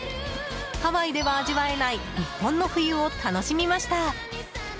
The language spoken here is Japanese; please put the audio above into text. ハワイでは味わえない日本の冬を楽しみました。